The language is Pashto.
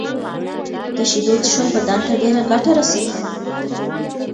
د شېدو څښل بدن ته ډيره ګټه رسوي.